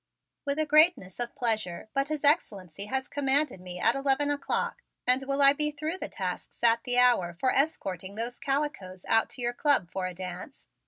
"With a greatness of pleasure, but His Excellency has commanded me at eleven o'clock and will I be through the tasks at the hour for escorting those calicoes out to your Club for a dance?"